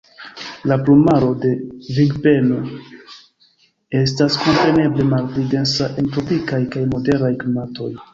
La plumaro de pingveno estas, kompreneble, malpli densa en tropikaj kaj moderaj klimatoj.